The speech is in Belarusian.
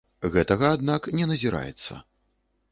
Гэтага, аднак, не назіраецца.